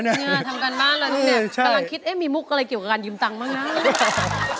ทั้งแบบนั้นเนี่ยกำลังคิดมีมุกอะไรเกี่ยวกับการหยืมตังบ้างน่า